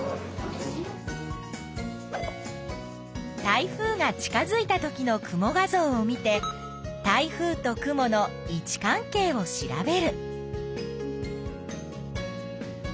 台風が近づいたときの雲画ぞうを見て台風と雲の位置関係を調べる。